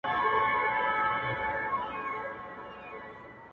• د باغلیو کښت په گټه د سلطان دئ -